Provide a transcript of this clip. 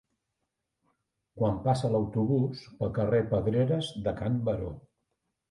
Quan passa l'autobús pel carrer Pedreres de Can Baró